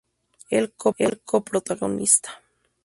El co-protagonista.